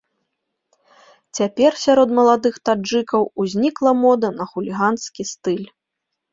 Цяпер сярод маладых таджыкаў узнікла мода на хуліганскі стыль.